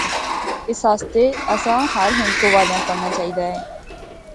اس آسطے اس آں ہر ہندکو والے آں پڑھنا چاہی دا اے۔